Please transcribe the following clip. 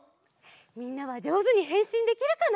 みんなはじょうずにへんしんできるかな？